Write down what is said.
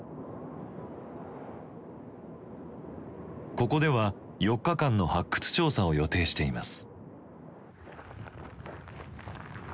ここでは４日間の発掘調査を予定しています。